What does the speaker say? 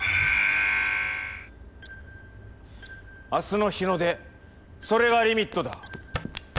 明日の日の出それがリミットだ。